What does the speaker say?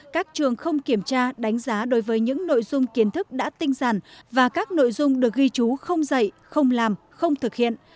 các trường không kiểm tra đánh giá đối với những nội dung kiến thức đã tinh giản và các nội dung được ghi chú không dạy không làm không thực hiện